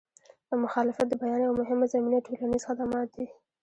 د مخالفت د بیان یوه مهمه زمینه ټولنیز خدمات دي.